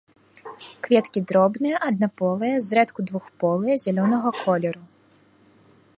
Кветкі дробныя, аднаполыя, зрэдку двухполыя, зялёнага колеру.